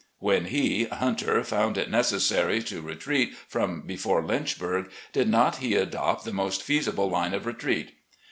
When he (Hunter) found it necessary to retreat from before L5mchburg, did not he adopt the most feasible line of retreat?